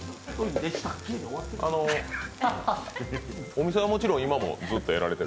お店はもちろん今もずっとやられている？